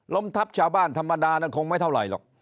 ทับชาวบ้านธรรมดานั้นคงไม่เท่าไหร่หรอก